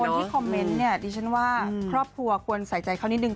อย่างคนที่คอมเมนต์ดิฉันว่าครอบครัวควรใส่ใจเขานิดนึง